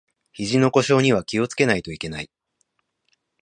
ひじの故障には気をつけないといけない